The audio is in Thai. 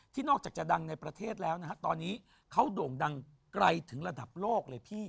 นอกจากจะดังในประเทศแล้วนะฮะตอนนี้เขาโด่งดังไกลถึงระดับโลกเลยพี่